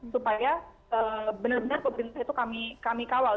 supaya benar benar pemerintah itu kami kawal